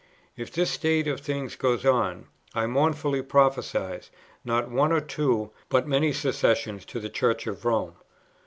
If this state of things goes on, I mournfully prophesy, not one or two, but many secessions to the Church of Rome."